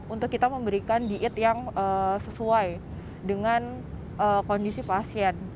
untuk kita memberikan diet yang sesuai dengan kondisi pasien